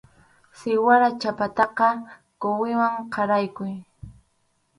Siwara chhapataqa quwiman qaraykuy.